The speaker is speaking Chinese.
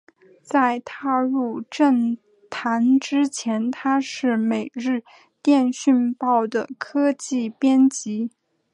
在踏入政坛之前他是每日电讯报的科技编辑。